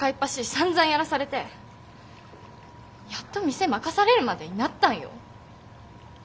さんざんやらされてやっと店任されるまでになったんよ。